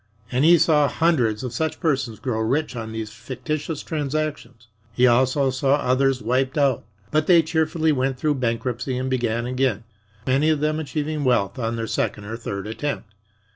And he saw hundreds of such persons grow rich on these fictitious transactions. He also saw others "wiped out," but they cheerfully went through bankruptcy and began again, many of them achieving wealth on their second or third attempt.